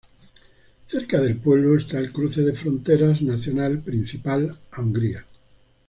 Cerca del pueblo está el cruce de frontera nacional principal a Hungría.